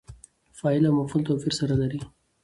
فاعل او مفعول توپیر سره لري.